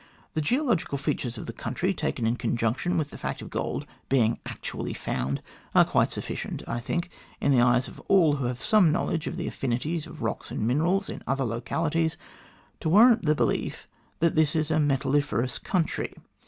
The geological features of the country, taken in conjunction with the fact of gold being actually found, are quite sufficient, I think, in the eyes of all who have some knowledge of the affinities of rocks and minerals in other localities, to warrant the belief that this is a metalliferous country.